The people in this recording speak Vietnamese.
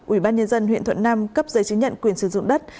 ubnd huyện thuận nam cấp giấy chứng nhận quyền sử dụng đất